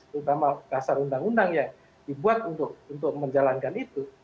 terutama dasar undang undang yang dibuat untuk menjalankan itu